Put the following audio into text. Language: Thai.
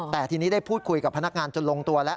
แต่ทีนี้ได้พูดคุยกับพนักงานจนลงตัวแล้ว